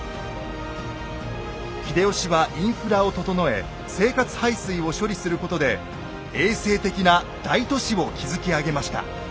秀吉はインフラを整え生活排水を処理することで衛生的な大都市を築き上げました。